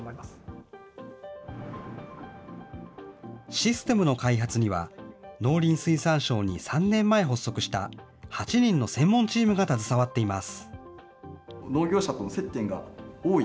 システムの開発には、農林水産省に３年前発足した８人の専門チームが携わっています。